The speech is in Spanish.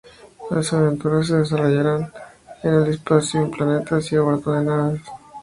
Las aventuras se desarrollarán en el espacio, en planetas y a bordo de naves.